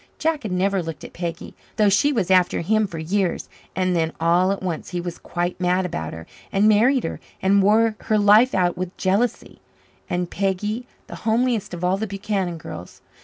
Jack had never looked at Peggy, though she was after him for years; and then, all at once, he was quite mad about her and married her and wore her life out with jealousy. And Peggy, the homeliest of all the Buchanan girls!